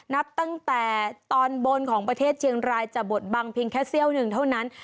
นับตั้งแต่ตอนบนของประเทศเชียงรายจะบดบังเพียงแค่เสี้ยวหนึ่งเท่านั้น